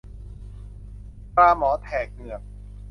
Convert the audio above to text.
ปลาหมอแถกเหงือก